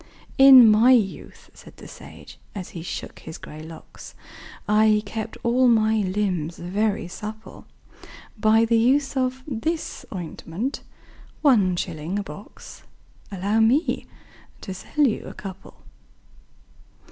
"In my youth," said the sage, as he shook his grey locks, "I kept all my limbs very supple By the use of this ointment one shilling a box Allow me to sell you a couple?"